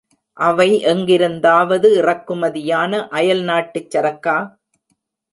அவை எங்கிருந்தாவது இறக்குமதியான அயல்நாட்டுச் சரக்கா?